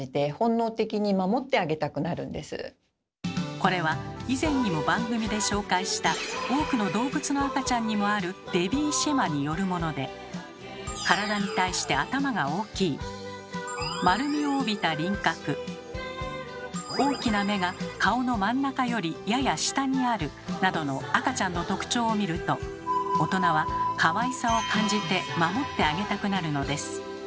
これは以前にも番組で紹介した多くの動物の赤ちゃんにもある「ベビーシェマ」によるもので。などの赤ちゃんの特徴を見ると大人はかわいさを感じて守ってあげたくなるのです。